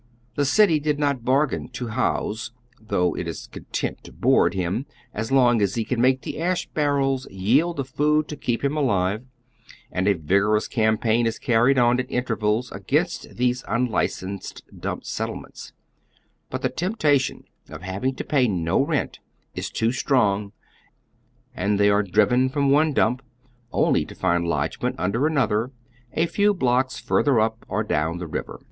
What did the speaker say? Tlie city did not bargahi to bouse, though it is content lo board, liim so long as be can make the ash barrels yield tbe food to keep liim alive, and a vigoi ous campaign is car ried on at intervals against these unlicensed dnnip settle ments ; but tbe temptation of having to pay no rent is too strong, and they are driven from one dump only to find lodgement under another a few blocks farther up or down tbe river.